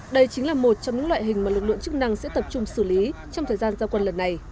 đây chính là một trong những loại hình mà lực lượng chức năng sẽ tập trung xử lý trong thời gian giao quân lần này